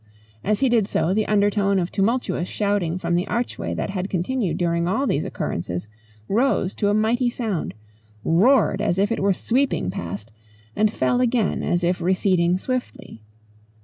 As he did so the undertone of tumultuous shouting from the archway that had continued during all these occurrences rose to a mighty sound, roared as if it were sweeping past, and fell again as if receding swiftly.